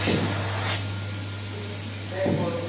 تاسي کله له نړۍ څخه څه زده کړي دي؟